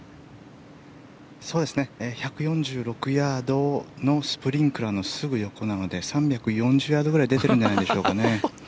１４６ヤードのスプリンクラーのすぐ横なので３４０ヤードぐらい出ているんじゃないでしょうか。